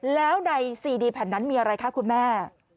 แล้วในซีดีแผ่นนั้นมีอะไรคะคุณแม่